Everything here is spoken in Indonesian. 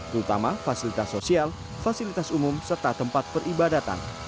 terutama fasilitas sosial fasilitas umum serta tempat peribadatan